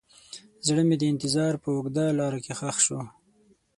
زړه مې د انتظار په اوږده لاره کې ښخ شو.